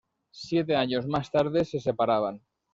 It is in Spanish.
Siete años más tarde se separaban.